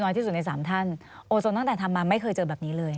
ที่สุดในสามท่านโอโซนตั้งแต่ทำมาไม่เคยเจอแบบนี้เลย